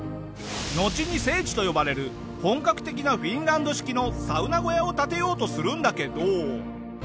のちに聖地と呼ばれる本格的なフィンランド式のサウナ小屋を建てようとするんだけど。